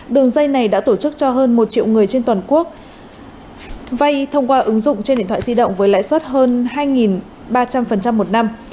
đường dây này đã tổ chức cho hơn một triệu người trên toàn quốc vay thông qua ứng dụng trên điện thoại di động với lãi suất hơn hai ba trăm linh một năm